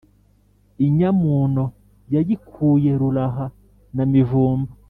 inyamuno yayikuye ruraha na mivumba.